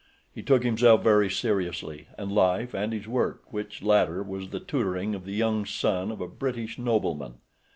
He took himself very seriously, and life, and his work, which latter was the tutoring of the young son of a British nobleman.